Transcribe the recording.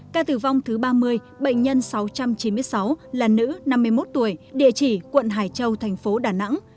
ca tử vong thứ ba mươi bệnh nhân sáu trăm chín mươi sáu là nữ năm mươi một tuổi địa chỉ quận hải châu thành phố đà nẵng